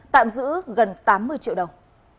tạm giữ gần tám mươi triệu đồng